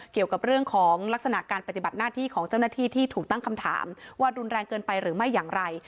เกี่ยวกับเรื่องของลักษณะการปฏิบัติหน้าที่ของเจ้าหน้าที่ที่ถูกตั้งคำถามว่ารุนแรงเกินไปหรือไม่อย่างไร